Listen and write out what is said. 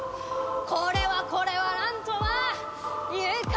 これはこれはなんとまあ愉快！